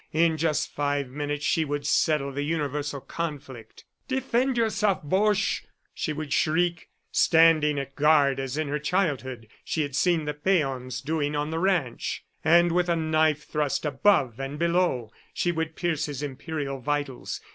In just five minutes she would settle the universal conflict. "Defend yourself, Boche," she would shriek, standing at guard as in her childhood she had seen the peons doing on the ranch. And with a knife thrust above and below, she would pierce his imperial vitals.